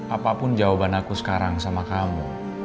apapun jawaban aku sekarang sama kamu